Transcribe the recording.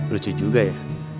lucu juga ya